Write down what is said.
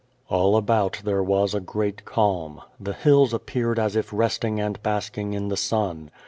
All about there was a great calm. The hills appeared as if resting and basking in the sun.